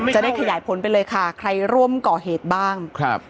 จะได้ขยายผลไปเลยค่ะใครร่วมก่อเหตุบ้างครับ